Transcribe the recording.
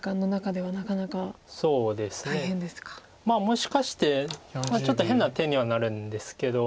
もしかしてちょっと変な手にはなるんですけど。